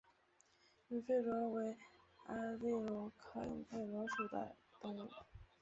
隐肺螺为阿地螺科隐肺螺属的动物。